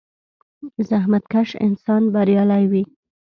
• زحمتکش انسان بریالی وي.